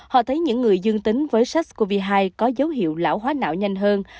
họ thấy những người dương tính với sars cov hai có dấu hiệu lão hóa não nhanh hơn